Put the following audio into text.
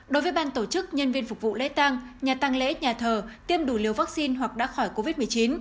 đối với ban tổ chức nhân viên phục vụ lễ tăng nhà tăng lễ nhà thờ tiêm đủ liều vaccine hoặc đã khỏi covid một mươi chín